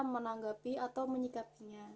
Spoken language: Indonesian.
menanggapi atau menyikapinya